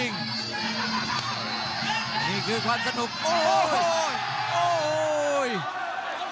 นี่คือความสนุกโอ้โห